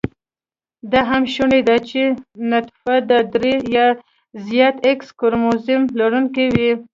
دا هم شونې ده چې نطفه د درې يا زیات x کروموزم لرونېکې وي